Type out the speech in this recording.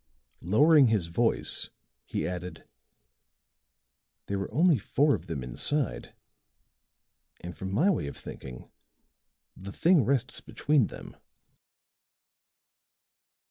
Then, lowering his voice, he added: "There were only four of them inside; and from my way of thinking the thing rests between them."